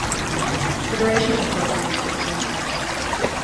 The duration of the programme was fifteen minutes.